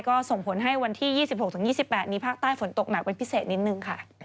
ก็ส่งผลให้วันที่๒๖๒๘มีภาคใต้ฝนตกหนักเป็นพิเศษนิดนึงค่ะ